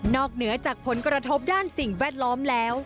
เหนือจากผลกระทบด้านสิ่งแวดล้อมแล้ว